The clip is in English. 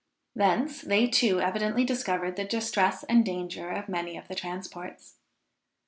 Thence they too evidently discovered the distress and danger of many of the transports.